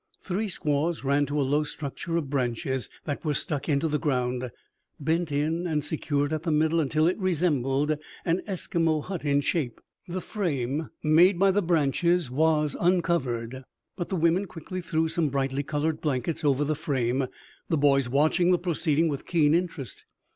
Three squaws ran to a low structure of branches that were stuck into the ground, bent in and secured at the middle until it resembled an Esquimo hut in shape. The frame made by the branches was uncovered, but the women quickly threw some brightly colored blankets over the frame, the boys watching the proceeding with keen interest.